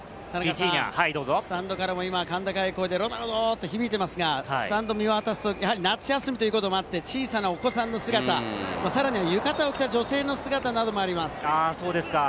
スタンドからも今、甲高い声でロナウド！と響いていますが、スタンドを見渡すと、やはり夏休みということもあって、小さなお子さんの姿、さらには浴衣を着た女性の姿などもあります。